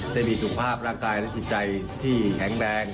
ได้มีสุขภาพร่างกายและจิตใจที่แข็งแรง